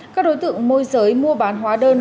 các đối tượng môi giới mua bán hóa đơn